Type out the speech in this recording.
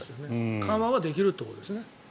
緩和はできるってことですよね。